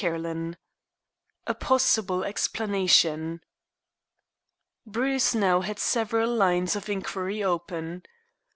CHAPTER XVII A POSSIBLE EXPLANATION Bruce now had several lines of inquiry open.